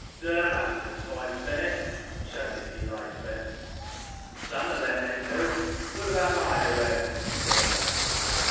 " Do the masters fight fair ?" shouted Eli Spence. ''Some of their men do. What about Wide Awake?" said a man.